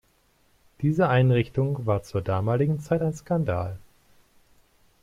Diese Einrichtung war zur damaligen Zeit ein Skandal.